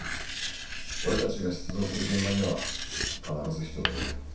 俺たちが出動する現場には必ず人がいる。